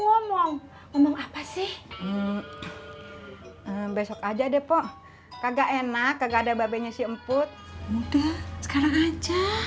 ngomong ngomong apa sih besok aja deh po kagak enak kagak ada babenya si emput sekarang aja